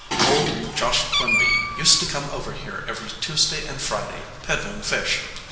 Old Josh Quimby used to come over here every Tuesday and Friday, peddling fish.